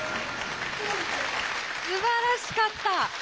すばらしかった。